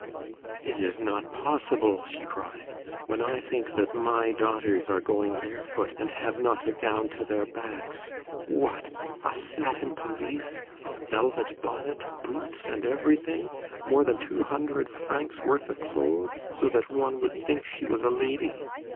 "It is not possible!" she cried. "When I think that my daughters are going barefoot, and have not a gown to their backs! What! A satin pelisse, a velvet bonnet, boots, and everything; more than two hundred francs' worth of clothes! so that one would think she was a lady!